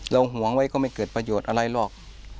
ห่วงไว้ก็ไม่เกิดประโยชน์อะไรหรอก